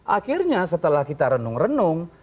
akhirnya setelah kita renung renung